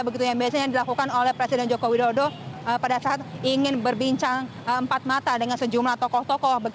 begitu yang biasanya dilakukan oleh presiden joko widodo pada saat ingin berbincang empat mata dengan sejumlah tokoh tokoh